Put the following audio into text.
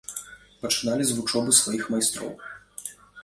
Пачыналі з вучобы сваіх майстроў.